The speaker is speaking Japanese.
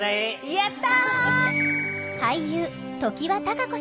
やった！